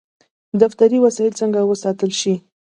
دفتري وسایل څنګه وساتل شي؟